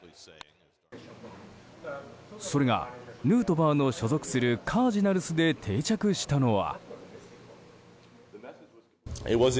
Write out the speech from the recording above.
それがヌートバーの所属するカージナルスで定着したのは。